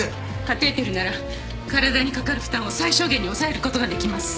カテーテルなら体にかかる負担を最小限に抑えることができます。